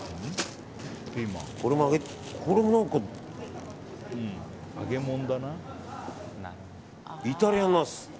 これも何か、イタリアンナス。